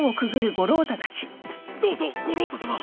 どうぞ五郎太さま。